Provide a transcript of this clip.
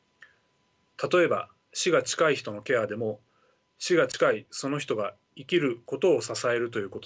例えば死が近い人のケアでも死が近いその人が生きることを支えるということです。